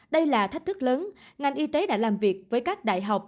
đây là thách thức lớn ngành y tế đã làm việc với các đại học